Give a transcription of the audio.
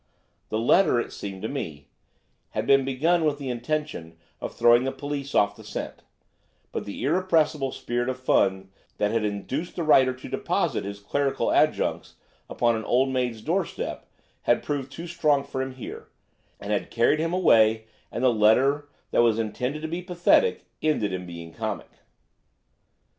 The letter, it seemed to me, had been begun with the intention of throwing the police off the scent, but the irrepressible spirit of fun that had induced the writer to deposit his clerical adjuncts upon an old maid's doorstep had proved too strong for him here, and had carried him away, and the letter that was intended to be pathetic ended in being comic."